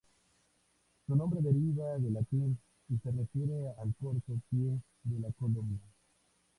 Su nombre deriva del latín y se refiere al corto pie de la columna.